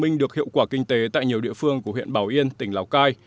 cây dâu tằm được hiệu quả kinh tế tại nhiều địa phương của huyện bảo yên tỉnh lào cai